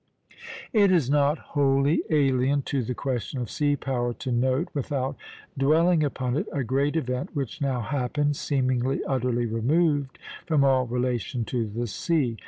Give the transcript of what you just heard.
It is not wholly alien to the question of sea power to note, without dwelling upon it, a great event which now happened, seemingly utterly removed from all relation to the sea.